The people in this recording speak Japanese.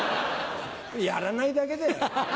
やらないだけだよ。